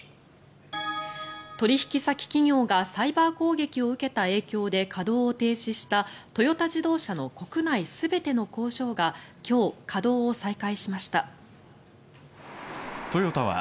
取引先企業がサイバー攻撃を受けた影響で稼働を停止したトヨタ自動車の国内全ての工場が今日、稼働を再開しました。